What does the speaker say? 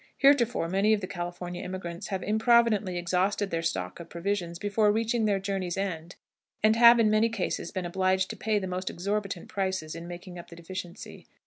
Heretofore many of the California emigrants have improvidently exhausted their stocks of provisions before reaching their journey's end, and have, in many cases, been obliged to pay the most exorbitant prices in making up the deficiency.